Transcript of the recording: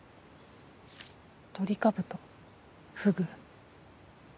トリカブトフグ。